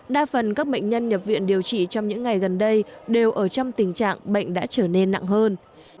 đa phần các bệnh nhân nhập viện điều trị trong những ngày gần đây đều ở trong tình trạng bệnh đã trở nên nặng hơn